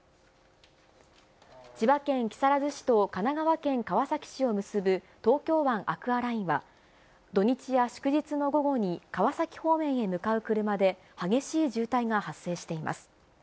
千葉県木更津市と神奈川県川崎市を結ぶ東京湾アクアラインは、土日や祝日の午後に川崎方面へ向かう車で激しい渋滞が発生しています。